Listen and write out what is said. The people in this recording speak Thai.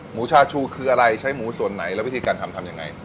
ชาชูคืออะไรใช้หมูส่วนไหนแล้ววิธีการทำทำยังไง